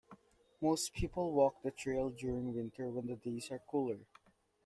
Most people walk the trail during winter when the days are cooler.